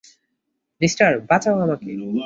Mister, আমাকে বাঁচাও!